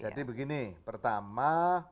jadi begini pertama